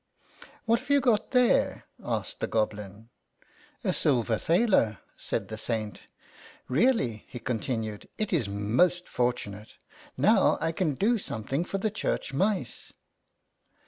" What have you got there ?" asked the Goblin. " A silver thaler," said the Saint. " Really/' he continued, " it is most fortunate ; now I can do something for the church mice."